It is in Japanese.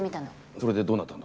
それでどうなったんだ？